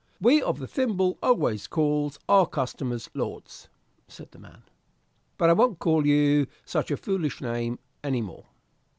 "We of the thimble always calls our customers lords," said the man. "But I won't call you such a foolish name any more.